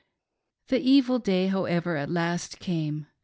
The evil day, however, at last came.